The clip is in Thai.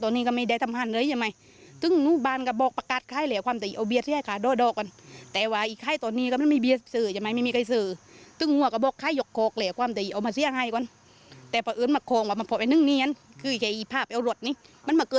ตอนนี้อยู่ระหว่างการสอบสวนค่ะซึ่งตำรวจก็จะแจ้งข้อหาร่วมกันค่า